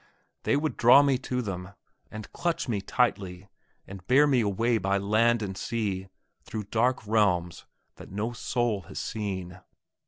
They would draw me to them, and clutch me tightly and bear me away by land and sea, through dark realms that no soul has seen.